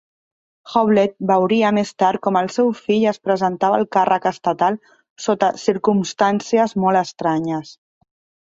Howlett veuria més tard com el seu fill es presentava al càrrec estatal sota circumstàncies molt estranyes.